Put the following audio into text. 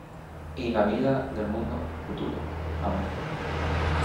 y la vida del mundo futuro. Amén.